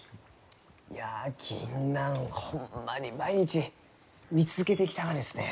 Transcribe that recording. いやギンナンホンマに毎日見続けてきたがですね。